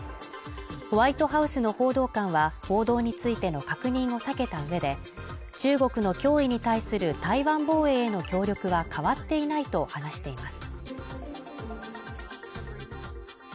ホワイトハウスの報道官は報道についての確認を避けた上で、中国の脅威に対する台湾防衛の協力は変わっていないと話しています。